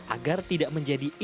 agar tidak menjadi informasi